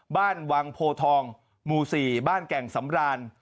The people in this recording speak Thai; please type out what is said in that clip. บ้านวังโพทองหมู่๔บ้านแก่งสำราน